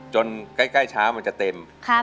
จนใกล้ยะมันจะเต็ม